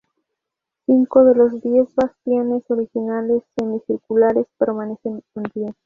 Cinco de los diez bastiones originales semicirculares permanecen en pie.